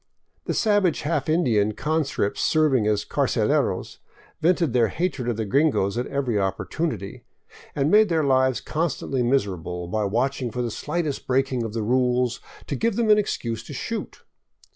The savage half Indian con scripts serving as carceleros vented their hatred of the gringos at every opportunit}^ and made their lives constantly miserable by watching for the slightest breaking of the rules to give them an excuse to shoot.